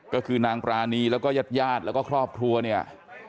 ก็คือนางปรานีแล้วก็ญาติญาติแล้วก็ครอบครัวเนี่ย